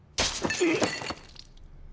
うっ！